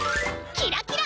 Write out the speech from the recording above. キラキラ！